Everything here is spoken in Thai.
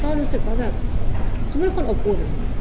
ก็รู้สึกว่าแบบทุกคนอบอุ่น